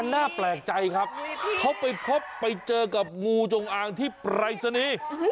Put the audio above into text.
น่าแปลกใจครับเขาไปพบไปเจอกับงูจงอางที่ปรายศนีย์